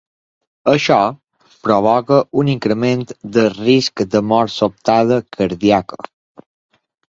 Això, provoca un increment del risc de mort sobtada cardíaca.